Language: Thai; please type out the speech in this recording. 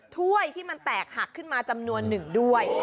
ถ้วยที่มันแตกหักขึ้นมาจำนวนหนึ่งด้วย